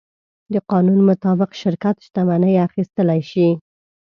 د قانون مطابق شرکت شتمنۍ اخیستلی شي.